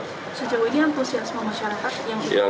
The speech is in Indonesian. sejauh ini antusiasme masyarakat yang